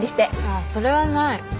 あぁそれはない。